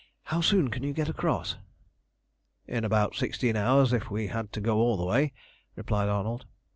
How soon can you get across?" "In about sixteen hours if we had to go all the way," replied Arnold.